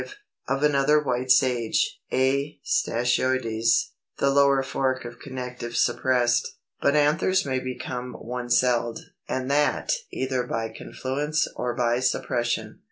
Of another White Sage (A. stachyoides), the lower fork of connective suppressed.] 291. But anthers may become one celled, and that either by confluence or by suppression.